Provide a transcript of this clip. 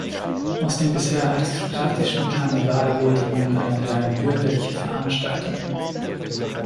Aus dem bisher aristokratischen Karneval wurde nun eine rein bürgerliche Veranstaltung.